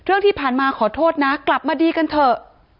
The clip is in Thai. เรื่องที่ผ่านมาขอโทษนะกลับมาดีกันเถอะ